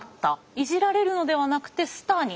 いじられるのではなくてスターに。